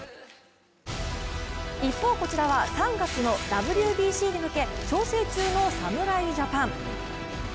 一方、こちらは３月のＷＢＣに向け調整中の侍ジャパン。